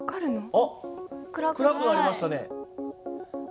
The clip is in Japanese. あっ暗くなりましたね。